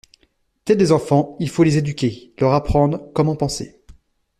Tels des enfants, il faut les éduquer, leur apprendre comment penser.